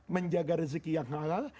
menjaga rezeki yang halal